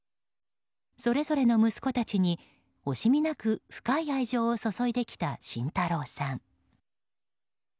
それぞれの息子たちに惜しみなく深い愛情を注いできた慎太郎さん。